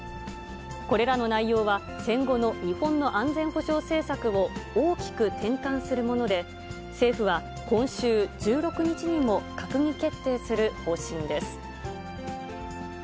これらの内容は戦後の日本の安全保障政策を大きく転換するもので、政府は今週１６日にも閣議決定する方針です。